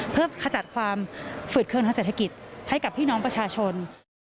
เพื่อขจัดความฝืดเครื่องทางเศรษฐกิจให้กับพี่น้องประชาชน